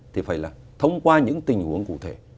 thì phải là thông qua những tình huống cụ thể